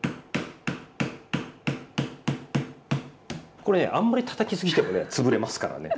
これねあんまりたたきすぎてもねつぶれますからね。